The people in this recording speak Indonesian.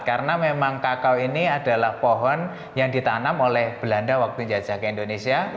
karena memang kakao ini adalah pohon yang ditanam oleh belanda waktu jajaka indonesia